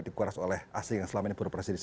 dikuaras oleh asing yang selama ini beroperasi